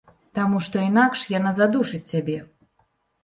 Таму што інакш яна задушыць цябе.